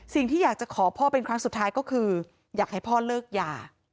สิ่งที่อยากจะขอพ่อเป็นครั้งสุดท้ายก็คืออยากให้พ่อเลิกยา